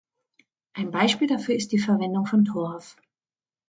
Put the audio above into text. Ein Beispiel dafür ist die Verwendung von Torf.